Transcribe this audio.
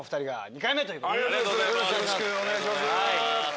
よろしくお願いします。